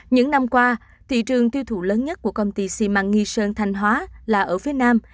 những năm qua thị trường tiêu thụ lớn nhất của công ty xi măng nghi sơn thanh hóa là ở phía nam